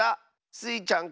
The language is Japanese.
スイちゃん